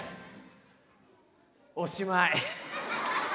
おしまい。